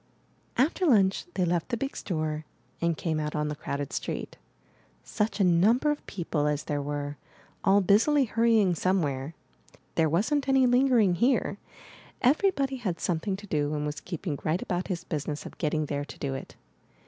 III. After lunch they left the big store, and came out on the crowded street. Such a number of people as there were, all busily hurrying somewhere. There wasn't any lingering here. Everybody had something to do, and was keeping right about his business of getting there to do it.